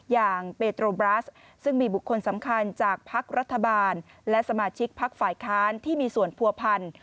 อย่างเบโตบรัสซึ่งมีบุคคลสำคัญจากพักรัฐบาลและสมาชิกพักฝ่ายค้านที่มีส่วนผัวพัน